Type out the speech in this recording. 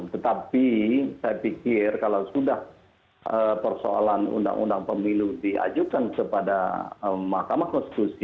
tetapi saya pikir kalau sudah persoalan undang undang pemilu diajukan kepada mahkamah konstitusi